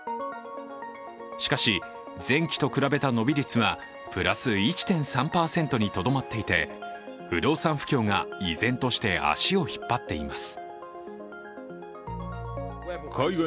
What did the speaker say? しかし、前期と比べた伸び率はプラス１．３％にとどまっていて、不動産不況が依然として足を引っ張っています